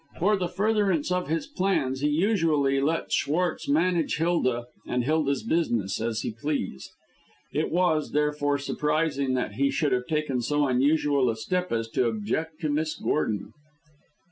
For the furtherance of his plans, he usually let Schwartz manage Hilda, and Hilda's business, as he pleased. It was, therefore, surprising that he should have taken so unusual a step as to object to Miss Gordon.